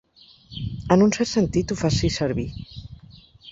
En un cert sentit, ho faci servir.